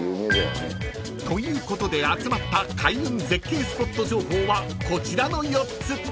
［ということで集まった開運絶景スポット情報はこちらの４つ］